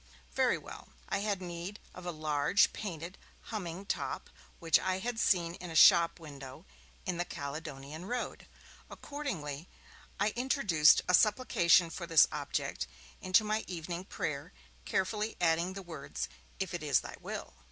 Very well; I had need of a large painted humming top which I had seen in a shop window in the Caledonian Road. Accordingly, I introduced a supplication for this object into my evening prayer, carefully adding the words: 'If it is Thy will.'